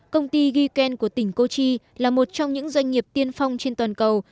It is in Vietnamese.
công ty giken của tỉnh cochi là một trong những doanh nghiệp tiên phong trên toàn cầu